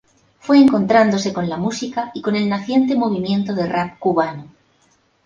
Fue encontrándose con la música y con el naciente movimiento de rap cubano.